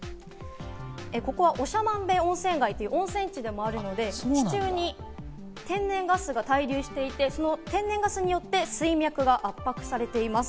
ここは長万部温泉街という温泉地でもあるので、地中に天然ガスが滞留していて、その天然ガスによって水脈が圧迫されています。